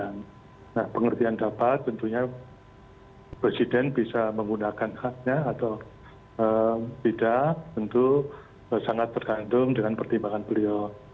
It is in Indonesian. nah pengertian dapat tentunya presiden bisa menggunakan haknya atau tidak tentu sangat tergantung dengan pertimbangan beliau